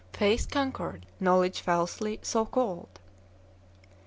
Faith conquered knowledge falsely so called.